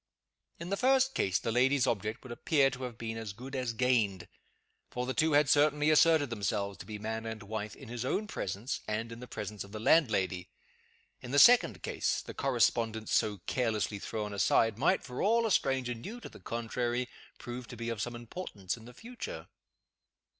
In the first case, the lady's object would appear to have been as good as gained; for the two had certainly asserted themselves to be man and wife, in his own presence, and in the presence of the landlady. In the second case, the correspondence so carelessly thrown aside might, for all a stranger knew to the contrary, prove to be of some importance in the future.